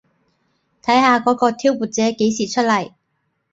睇下嗰個挑撥者幾時出嚟